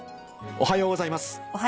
おはようございます。